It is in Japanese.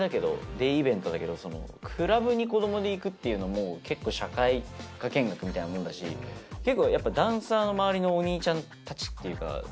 デイイベントだけどクラブに子供で行くっていうのも結構社会科見学みたいなもんだし結構ダンサーの周りのお兄ちゃんたちっていうか。